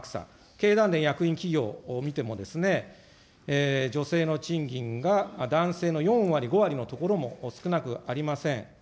経団連役員企業見ても、女性の賃金が男性の４割、５割のところも少なくありません。